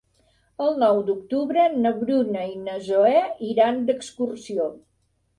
El nou d'octubre na Bruna i na Zoè iran d'excursió.